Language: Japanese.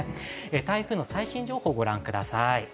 台風の最新情報をご覧ください。